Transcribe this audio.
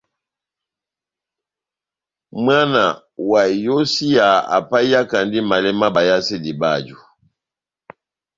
Mwána wa iyósiya apahiyakandi malɛ má bayasedi báju.